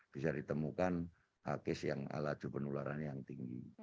bisa ditemukan kes yang ala juban luaran yang tinggi